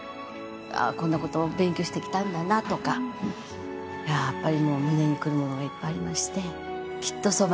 こんなことを勉強してきたんだなとかやっぱりもう胸にくるものがいっぱいありまして。